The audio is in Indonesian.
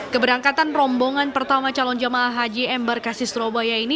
keberangkatan rombongan pertama calon jemaah haji embarkasi surabaya ini